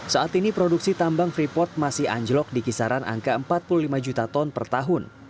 saat ini produksi tambang freeport masih anjlok di kisaran angka empat puluh lima juta ton per tahun